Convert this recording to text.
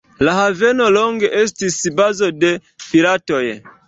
La haveno longe estis bazo de piratoj.